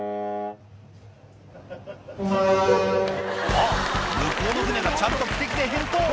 あっ、向こうの船がちゃんと汽笛で返答。